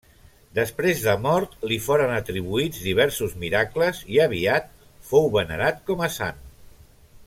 Després de mort li foren atribuïts diversos miracles i aviat fou venerat com a sant.